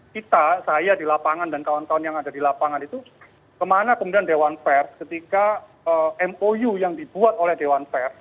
kita saya di lapangan dan kawan kawan yang ada di lapangan itu kemana kemudian dewan pers ketika mou yang dibuat oleh dewan pers